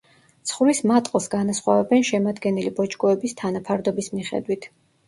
ცხვრის მატყლს განასხვავებენ შემადგენელი ბოჭკოების თანაფარდობის მიხედვით.